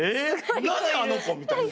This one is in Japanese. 何あの子！みたいな。